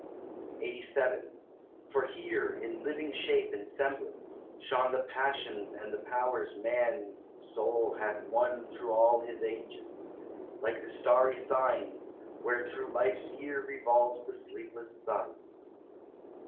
LXXXVII For here, in living shape and semblance, shone The passions and the powers man's soul hath won Through all his ages, like the starry signs Where through life's year revolves the sleepless sun.